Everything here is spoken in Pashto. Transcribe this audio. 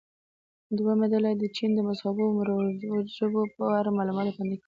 دویمه ډله دې د چین مذهبونو او مروجو ژبو په اړه معلومات وړاندې کړي.